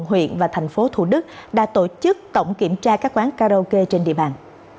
huyện và thành phố thủ đức đã tổ chức tổng kiểm tra các quán karaoke trên địa bàn